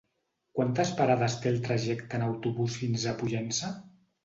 Quantes parades té el trajecte en autobús fins a Pollença?